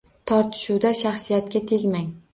Tortishuvda shaxsiyatga tegmang.